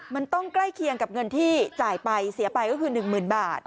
มันต้องใกล้เคียงกับเงินที่จ่ายไปเสียไปก็คือ๑๐๐๐บาท